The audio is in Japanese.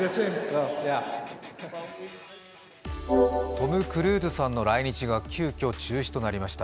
トム・クルーズさんの来日が急きょ中止となりました。